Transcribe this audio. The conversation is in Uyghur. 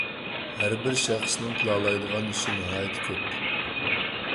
ھەربىر شەخسنىڭ قىلالايدىغان ئىشى ناھايىتى كۆپ.